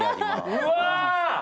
うわ！